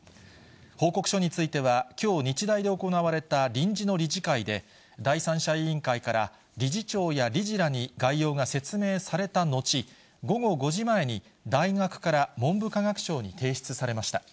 報告書については、きょう日大で行われた臨時の理事会で、第三者委員会から理事長や理事らに概要が説明された後、午後５時前に、大学から文部科学省に提出されました。